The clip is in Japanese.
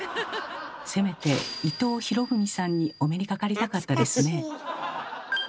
せめて伊藤博文さんにお目にかかりたかったですね。